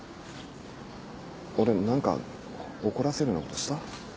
俺何か怒らせるようなことした？